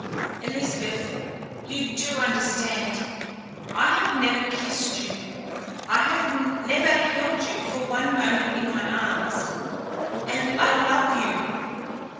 Elizabeth, you do understand! I have never kissed you, I have never held you for one moment in my arms and I love you!"